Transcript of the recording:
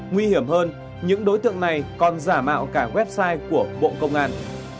nguy hiểm hơn những đối tượng này còn giả mạo cả website của bộ công an